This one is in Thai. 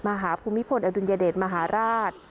ภูมิพลอดุลยเดชมหาราช